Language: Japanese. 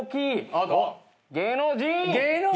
芸能人ね。